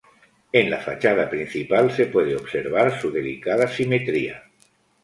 En la fachada principal se puede observar su delicada simetría.